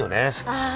ああ